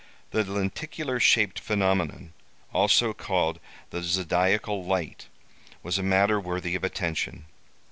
The lenticular shaped phenomenon, also called the zodiacal light, was a matter worthy of attention.